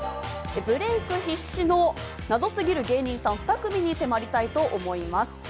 ブレイク必至の謎すぎる芸人さん２組に迫りたいと思います。